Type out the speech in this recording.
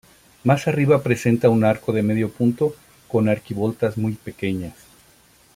Más arriba presenta un arco de medio punto con arquivoltas muy pequeñas.